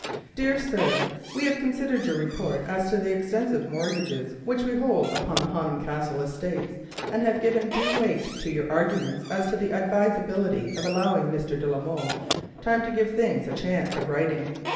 "Dear Sir,— "We have considered your report as to the extensive mortgages which we hold upon the Honham Castle estates, and have allowed due weight to your arguments as to the advisability of allowing Mr. de la Molle time to give things a chance of righting.